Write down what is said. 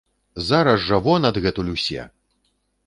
Зараз жа вон адгэтуль усе!